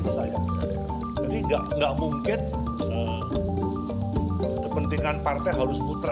jadi nggak mungkin kepentingan partai harus putra